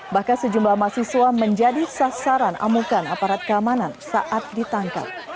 bahkan sejumlah mahasiswa menjadi sasaran amukan aparat keamanan saat ditangkap